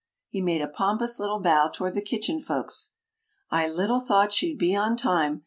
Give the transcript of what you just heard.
He made a pompous little bow toward the Kitchen Folks. "I little thought she'd be on time.